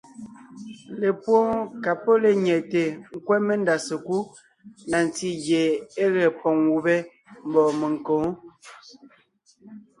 Lepwóon ka pɔ́ lenyɛte nkwɛ́ mendá sekúd na ntí gie é ge poŋ gubé mbɔ̌ menkǒ.